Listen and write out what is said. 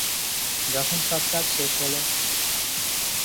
যখন সব কাজ শেষ হল।